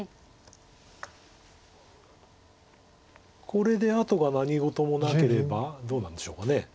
これで後が何事もなければどうなんでしょうか。